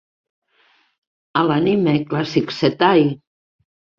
A l'Anime Classics Zettai!